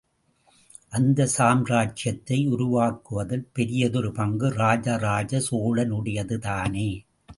அந்த சாம்ராஜ்யத்தை உருவாக்குவதில் பெரியதொரு பங்கு ராஜ ராஜ சோழனுடையது தானே?